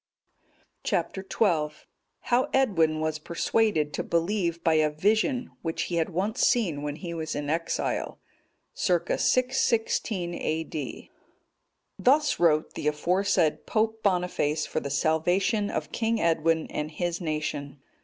Chap. XII. How Edwin was persuaded to believe by a vision which he had once seen when he was in exile. [Circ. 616 A.D.] Thus wrote the aforesaid Pope Boniface for the salvation of King Edwin and his nation.